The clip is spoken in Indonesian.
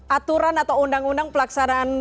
aturan atau undang undang pelaksanaan